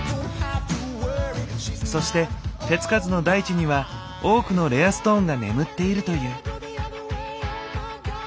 そして手付かずの大地には多くのレアストーンが眠っているという。